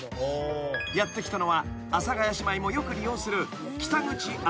［やって来たのは阿佐ヶ谷姉妹もよく利用する］